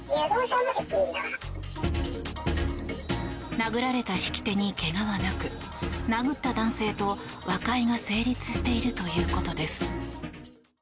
殴られた引き手に怪我はなく殴った男性と和解が成立しているということです。